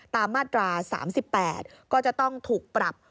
ตามมาตรา๓๘ก็จะต้องถูกปรับ